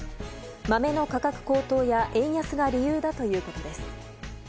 豆の価格高騰や円安が理由だということです。